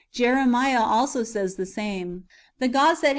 Jeremiah also says the same :" The gods 1 Ps.